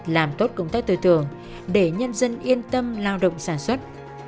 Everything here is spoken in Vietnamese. làm tốt công tác tư tưởng để nhân dân yên tâm lao động sản xuất